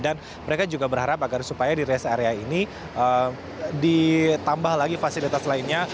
dan mereka juga berharap agar supaya di rest area ini ditambah lagi fasilitas lainnya